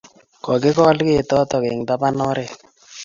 Kogikol ketotok eng' tapan oret